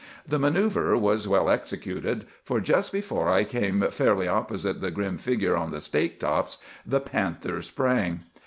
The manœuvre was well executed, for just before I came fairly opposite the grim figure on the stake tops, the panther sprang.